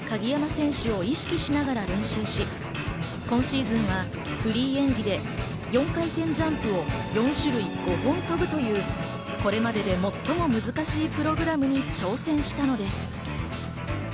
鍵山選手を意識しながら練習し、今シーズンはフリー演技で４回転ジャンプを４種類５本跳ぶというこれまでで最も難しいプログラムに挑戦したのです。